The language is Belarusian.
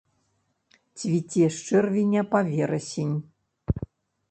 Цвіце з чэрвеня па верасень.